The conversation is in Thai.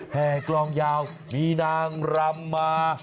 แห่กลองยาวมีนางรำมา